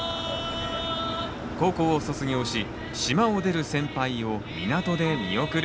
高校を卒業し島を出る先輩を港で見送る。